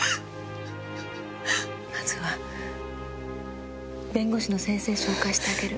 まずは弁護士の先生紹介してあげる。